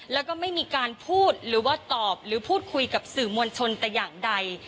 แล้วก็ไม่มีการพูดหรือว่าตอบหรือพูดคุยกับสื่อมวลชนแต่อย่างใด